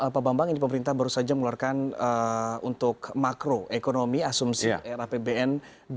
pak bambang ini pemerintah baru saja mengeluarkan untuk makro ekonomi asumsi era pbn dua ribu sembilan belas